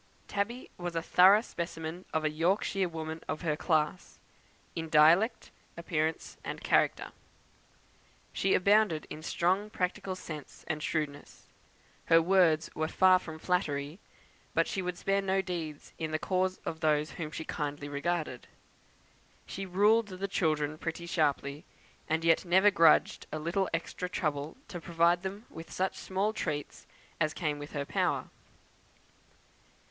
Tabby was a thorough specimen of a Yorkshire woman of her class, in dialect, in appearance, and in character. She abounded in strong practical sense and shrewdness. Her words were far from flattery; but she would spare no deeds in the cause of those whom she kindly regarded. She ruled the children pretty sharply; and yet never grudged a little extra trouble to provide them with such small treats as came within her power.